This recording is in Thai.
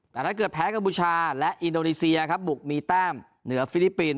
แต่ถ้าเกิดแพ้กัมพูชาและอินโดนีเซียครับบุกมีแต้มเหนือฟิลิปปินส